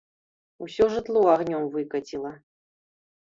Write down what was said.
Усё жытло агнём выкаціла.